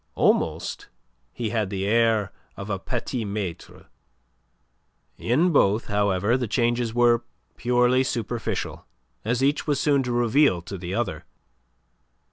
Almost he had the air of a petit maitre. In both, however, the changes were purely superficial, as each was soon to reveal to the other.